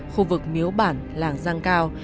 khu vực miếu bản làng giang cao